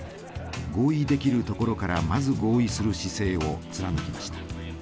合意できるところからまず合意する姿勢を貫きました。